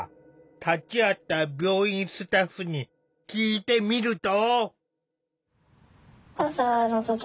立ち会った病院スタッフに聞いてみると。